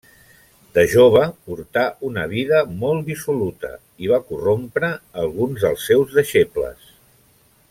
De jove portà una vida molt dissoluta i va corrompre alguns dels seus deixebles.